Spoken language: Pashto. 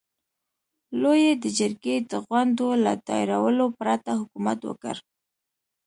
لويي د جرګې د غونډو له دایرولو پرته حکومت وکړ.